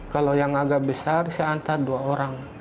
kalau yang agak besar saya antar dua orang